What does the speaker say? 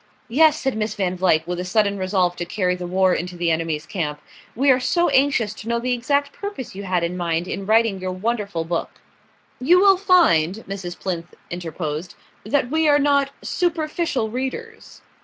"Yes," said Miss Van Vluyck, with a sudden resolve to carry the war into the enemy's camp. "We are so anxious to know the exact purpose you had in mind in writing your wonderful book." "You will find," Mrs. Plinth interposed, "that we are not superficial readers."